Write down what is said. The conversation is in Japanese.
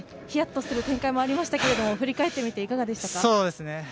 ヒヤッとする展開もありましたけど振り返ってみて、いかがでしたか？